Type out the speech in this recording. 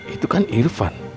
itu kan irfan